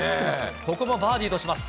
ここもバーディーとします。